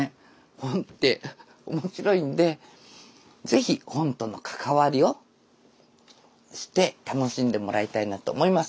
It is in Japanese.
本って面白いんで是非本との関わりを知って楽しんでもらいたいなと思います。